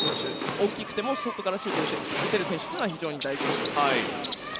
大きくても、外からシュートを打てる選手というのは非常に大事だと思います。